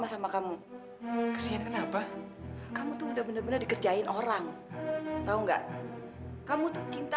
sampai jumpa di video selanjutnya